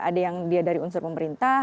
ada yang dia dari unsur pemerintah